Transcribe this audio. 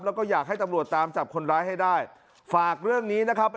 แล้วก็อยากให้ตำรวจตามจับคนร้ายให้ได้ฝากเรื่องนี้นะครับ